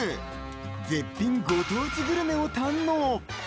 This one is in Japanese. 絶品ご当地グルメを堪能。